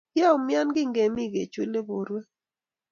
Kyaumian kingemi kechule borwek